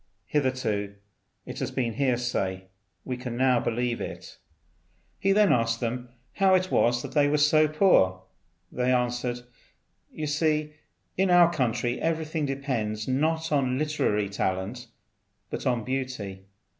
Hitherto it has been hearsay; we can now believe it." He then asked them how it was they were so poor. They answered, "You see, in our country everything depends, not on literary talent, but on beauty.